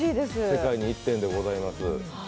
世界に１点でございます。